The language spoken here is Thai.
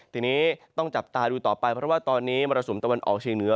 ทีนี้ต้องจับตาดูต่อไปเพราะว่าตอนนี้มรสุมตะวันออกเชียงเหนือ